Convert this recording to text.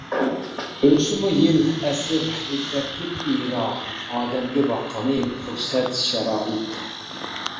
ئۆتسىمۇ يىل ئەسىر ئىبرەتلىك ئېرا، ئادەمگە باققىنى پۇرسەت شارائىت.